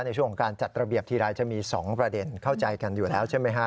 ในช่วงของการจัดระเบียบทีไรจะมี๒ประเด็นเข้าใจกันอยู่แล้วใช่ไหมฮะ